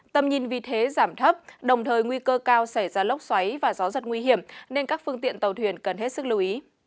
tầm nhìn vì thế giảm thấp đồng thời nguy cơ cao xảy ra lốc xoáy và gió giật nguy hiểm nên các phương tiện tàu thuyền cần hết sức lưu ý